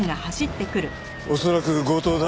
恐らく強盗だ。